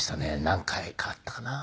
何回かあったかな。